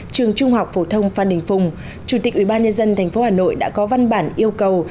trường trung học phổ thông phan đình phùng chủ tịch ubnd tp hà nội đã có văn bản yêu cầu